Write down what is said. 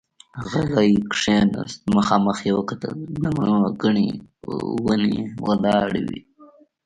غلی کېناست، مخامخ يې وکتل، د مڼو ګنې ونې ولاړې وې.